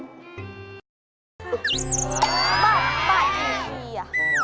บ่าเกดีเทีย